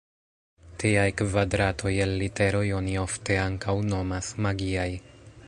Tiaj kvadratoj el literoj oni ofte ankaŭ nomas magiaj.